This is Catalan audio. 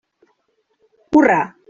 Hurra!